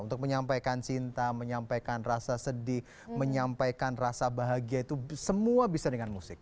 untuk menyampaikan cinta menyampaikan rasa sedih menyampaikan rasa bahagia itu semua bisa dengan musik